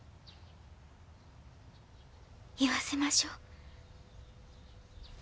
言わせましょう。